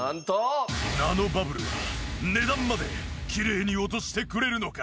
ナノバブルは値段まできれいに落としてくれるのか？